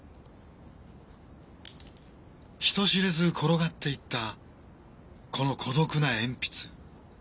人知れず転がっていったこの孤独な鉛筆。